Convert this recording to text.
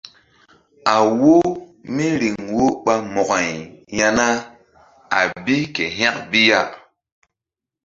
A wo míriŋ wo ɓa Mo̧ko-ay ya na a bi ke hȩk bi ya.